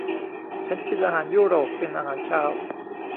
ฉันกินอาหารยุโรปเป็นอาหารเช้า